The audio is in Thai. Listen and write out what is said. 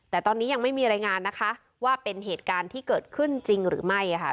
แต่ตอนนี้ยังไม่มีรายงานนะคะว่าเป็นเหตุการณ์ที่เกิดขึ้นจริงหรือไม่ค่ะ